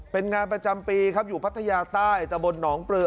เป็นงานประจำปีครับอยู่พัทยาใต้ตะบนหนองปลือ